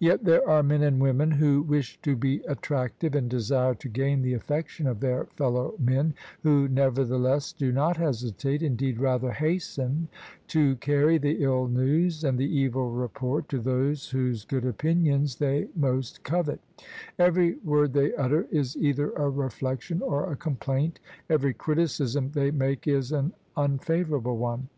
Yet there are men and women who [ 233 ] THE SUBJECTION wish to be attractive and desire to gain the affection of their fellow men, who nevertheless do not hesitate — indeed rather hasten — to carry the ill news and the evil report to those whose good opinions they most covet: every word they utter is either a reflection or a complaint: every criticism they make is an imfavourable one.